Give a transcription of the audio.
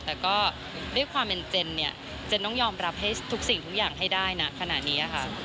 แต่ก็ด้วยความเป็นเจนเนี่ยเจนต้องยอมรับให้ทุกสิ่งทุกอย่างให้ได้นะขนาดนี้ค่ะ